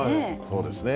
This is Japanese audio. そうですね。